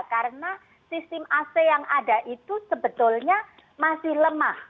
karena sistem ac yang ada itu sebetulnya masih lemah